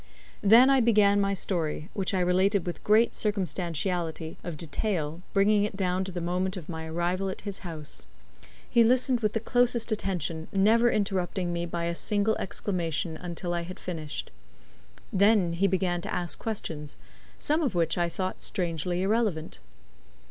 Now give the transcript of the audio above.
Then I began my story, which I related with great circumstantiality of detail, bringing it down to the moment of my arrival at his house. He listened with the closest attention, never interrupting me by a single exclamation until I had finished. Then he began to ask questions, some of which I thought strangely irrelevant.